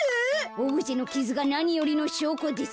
オブジェのキズがなによりのしょうこです。